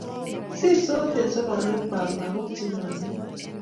sirsot eng' sobonwokwak lagok che ng'omen